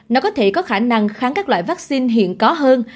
nó có thể có khả năng kháng các loại vaccine hiện có hơn